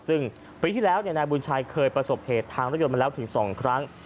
ซึ่งปีที่แล้วนายบุญชัยเคยประสบเหตุทางรถยนต์มาแล้วถึง๒ครั้ง